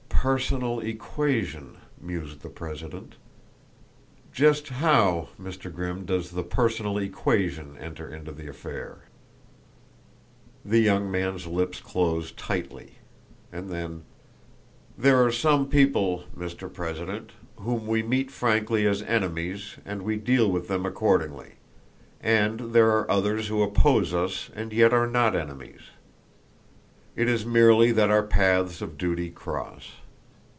"Personal equation," mused the president. "Just how, Mr. Grimm, does the personal equation enter into the affair?" The young man's lips closed tightly, and then: "There are some people, Mr. President, whom we meet frankly as enemies, and we deal with them accordingly; and there are others who oppose us and yet are not enemies. It is merely that our paths of duty cross.